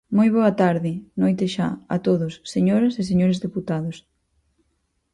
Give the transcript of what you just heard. Moi boa tarde, noite xa, a todos, señoras e señores deputados.